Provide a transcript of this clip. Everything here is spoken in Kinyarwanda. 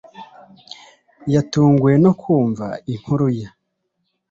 Yatunguwe no kumva inkuru ye